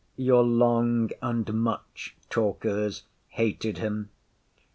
Your long and much talkers hated him.